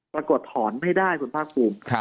ปรากฏถอนไม่ได้คุณภาคภูมิ